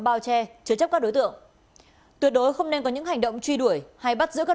bao che chứa chấp các đối tượng tuyệt đối không nên có những hành động truy đuổi hay bắt giữ các